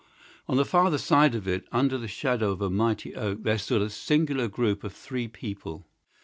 On the farther side of it, under the shadow of a mighty oak, there stood a singular group of three people.